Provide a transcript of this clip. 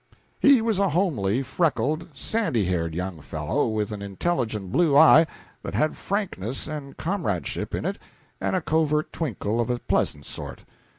He was a homely, freckled, sandy haired young fellow, with an intelligent blue eye that had frankness and comradeship in it and a covert twinkle of a pleasant sort.